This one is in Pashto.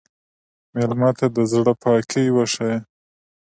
مېلمه ته د زړه پاکي وښیه.